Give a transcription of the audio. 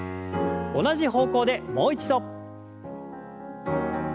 同じ方向でもう一度。